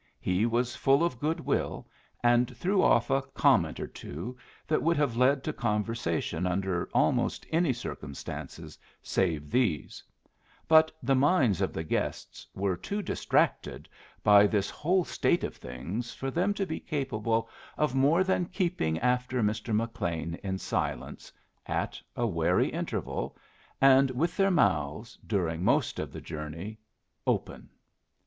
He was full of good will, and threw off a comment or two that would have led to conversation under almost any circumstances save these; but the minds of the guests were too distracted by this whole state of things for them to be capable of more than keeping after Mr. McLean in silence, at a wary interval, and with their mouths, during most of the journey, open.